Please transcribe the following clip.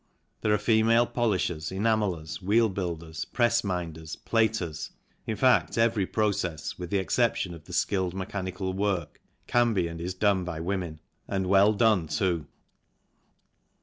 There are female polishers, enamellers, wheel builders, press minders, platers, in fact every process, with the exception of the skilled mechanical work, can be and is done by women, and well done, too.